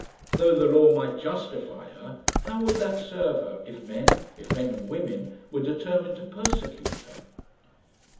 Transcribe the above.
Though the law might justify her, how would that serve her, if men if men and women, were determined to persecute her?